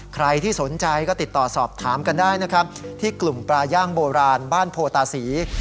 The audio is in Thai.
ใครที่สนใจก็ติดต่อสอบถามกันได้นะครับที่กลุ่มปลาย่างโบราณบ้านโพตาศรี